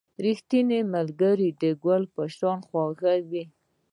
• ریښتینی ملګری د ګل په شان خوږ وي.